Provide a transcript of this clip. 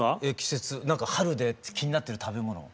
季節何か春で気になってる食べ物。